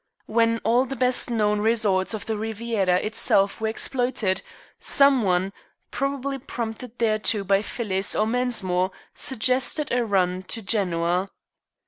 When all the best known resorts of the Riviera itself were exploited, some one, probably prompted thereto by Phyllis or Mensmore, suggested a run to Genoa.